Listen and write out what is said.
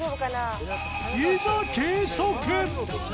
いざ計測！